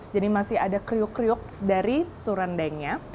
jadi masih ada kriuk kriuk dari surendengnya